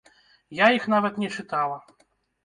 Я іх нават не чытала.